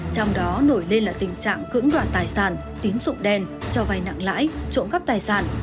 trong đó nổi lên là tình trạng cứng đoạn tài sản tín dụng đen cho vai nặng lãi trộm cắp tài sản